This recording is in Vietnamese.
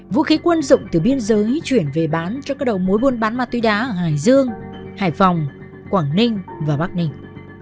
vũ khí quân dụng từ biên giới chuyển về bán cho các đầu mối buôn bán ma túy đá ở hải dương hải phòng quảng ninh và bắc ninh